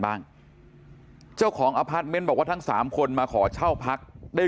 บ้างเจ้าของอพาร์ทเมนต์บอกว่าทั้งสามคนมาขอเช่าพักได้